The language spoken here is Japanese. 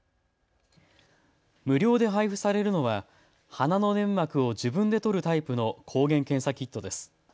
無料で配布されるのは鼻の粘膜を自分で採るタイプの抗原検査キットです。